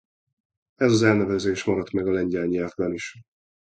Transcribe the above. Ez az elnevezés maradt meg a lengyel nyelvben is.